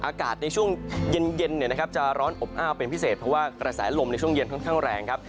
อากาศในช่วงเย็นจะร้อนอบอ้าวเป็นพิเศษเพราะว่ากระแสลมในช่วงเย็นค่อนข้างแรงครับ